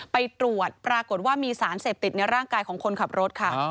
ไปตรวจปรากฏว่ามีสารเสพติดในร่างกายของคนขับรถค่ะ